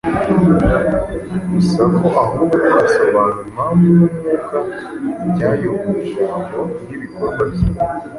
gusa ko ahubwo azasobanura impamvu n’umwuka byayoboye ijambo n’ibikorwa bye.